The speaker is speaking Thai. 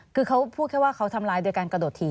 คือเขาพูดแค่ว่าเขาทำร้ายโดยการกระโดดถี่